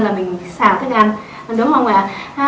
là mình xào thức ăn đúng không ạ